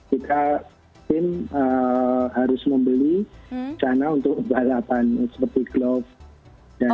kita tim harus membeli sana untuk balapan seperti glove dan helm